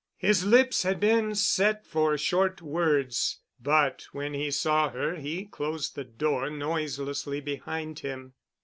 His lips had been set for short words, but when he saw her he closed the door noiselessly behind him.